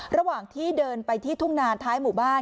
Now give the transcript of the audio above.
ระหว่างที่เดินไปที่ทุ่งนานท้ายหมู่บ้าน